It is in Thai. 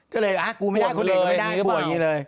ก็เลยกูไม่ได้คุณลิสก็ไม่ได้